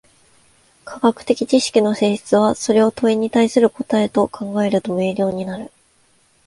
科学的知識の性質は、それを問に対する答と考えると明瞭になる。